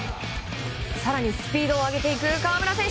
更にスピードを上げていく河村選手。